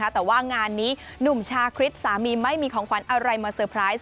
แต่ว่างานนี้หนุ่มชาคริสสามีไม่มีของขวัญอะไรมาเซอร์ไพรส์